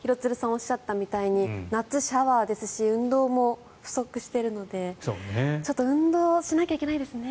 おっしゃったみたいに夏、シャワーですし運動も不足しているのでちょっと運動しなきゃいけないですね。